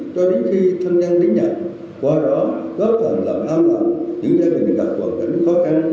cho đến khi thân đang đánh nhận qua đó góp phần làm an lạc những gia đình gặp hoàn cảnh khó khăn